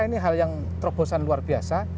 ini hal yang terobosan luar biasa